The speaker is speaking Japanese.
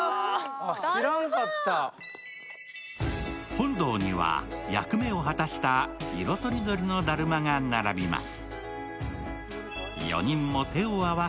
本堂には役目を果たした色とりどりのだるまが並びます。